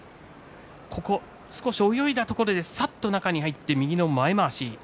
少し泳いだところでさっと中に入って右の前まわし。